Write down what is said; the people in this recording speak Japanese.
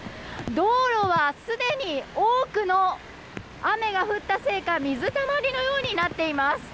道路はすでに多くの雨が降ったせいか水たまりのようになっています。